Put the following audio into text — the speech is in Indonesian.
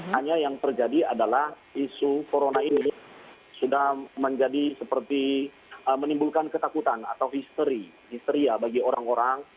hanya yang terjadi adalah isu corona ini sudah menjadi seperti menimbulkan ketakutan atau histeri histeria bagi orang orang